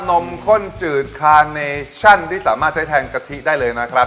นมข้นจืดคาเนชั่นที่สามารถใช้แทนกะทิได้เลยนะครับ